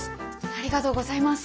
ありがとうございます。